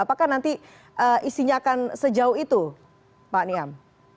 apakah nanti isinya akan sejauh itu pak niam